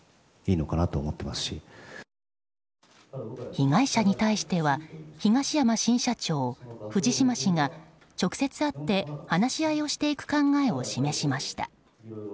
被害者に対しては東山新社長、藤島氏が直接会って話し合いをしていく考えを示しました。